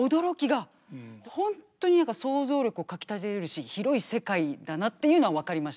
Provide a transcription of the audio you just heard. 本当に何か想像力をかきたてられるし広い世界だなっていうのは分かりました。